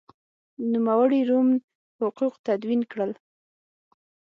نوموړي رومن حقوق تدوین کړل.